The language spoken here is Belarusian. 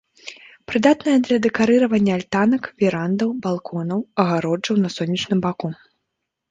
Прыдатная для дэкарыравання альтанак, верандаў, балконаў, агароджаў на сонечным баку.